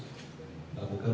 dibantu dari kekuatan polres